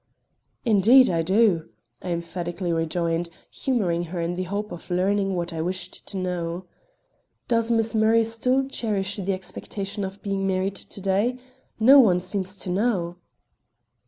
"Indeed, I do," I emphatically rejoined, humoring her in the hope of learning what I wished to know. "Does Miss Murray still cherish the expectation of being married to day? No one seems to know."